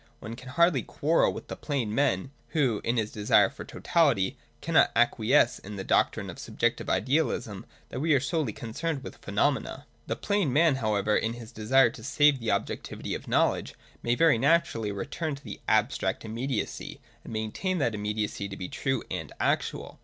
One can hardly quarrel with the plain man who, in his desire for totality, cannot acquiesce in the doctrine of sub iji, 132.] THE PHENOMENAL WORLD. 241 jective idealism, that we are solely concerned with pheno mena. The plain man, however, in his desire to save the objectivity of knowledge, may very naturally return to abstract immediacy, and maintain that immediacy to be true and actual.